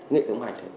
nghĩa hệ thống hạch